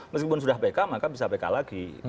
meskipun sudah pk maka bisa pk lagi